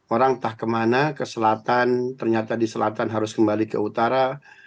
orang entah kemana ke selatan ternyata di selatan harus kembali ke utara